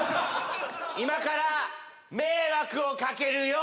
今から迷惑を掛けるよ！